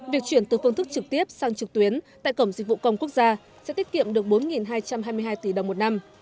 việc chuyển từ phương thức trực tiếp sang trực tuyến tại cổng dịch vụ công quốc gia sẽ tiết kiệm được bốn hai trăm hai mươi hai tỷ đồng một năm